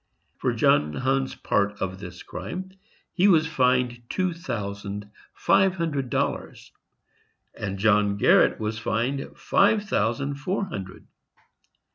For John Hunn's part of this crime, he was fined two thousand five hundred dollars, and John Garret was fined five thousand four hundred.